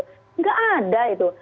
tidak ada itu